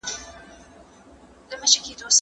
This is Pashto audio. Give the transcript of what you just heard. خاموشي د بریا یوه لاره ده.